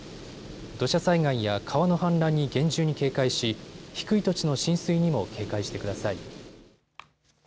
土砂災害や川の氾濫に厳重に警戒し低い土地の浸水にも警戒してください。